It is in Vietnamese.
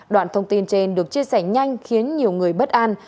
đoạn thông tin trên được chia sẻ nhanh khiến nhiều người bất an